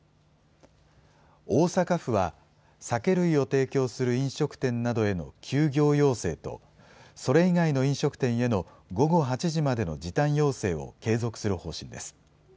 大阪府は、酒類を提供する飲食店などへの休業要請と、それ以外の飲食店への午後８時までの時短要請を継続する方針です。